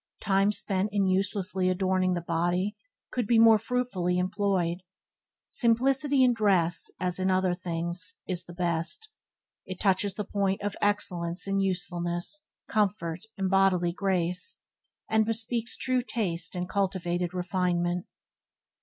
Time spent in uselessly adorning the body could be more fruitfully employed. Simplicity in dress, as in other things, is the best. It touches the point of excellence in usefulness, comfort, and bodily grace, and bespeaks true taste and cultivated refinement.